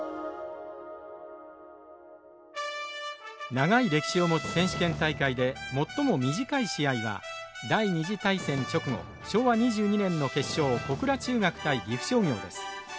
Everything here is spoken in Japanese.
長い歴史を持つ選手権大会で最も短い試合は第２次大戦直後昭和２２年の決勝小倉中学対岐阜商業です。